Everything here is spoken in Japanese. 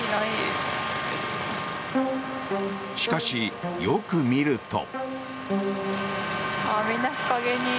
しかし、よく見ると。